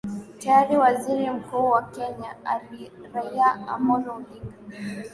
tayari waziri mkuu wa kenya raila amollo odinga